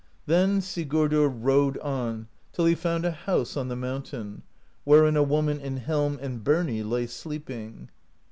"Then Sigurdr rode on till he found a house on the mountain, wherein a woman in helm and birnie lay sleep ing.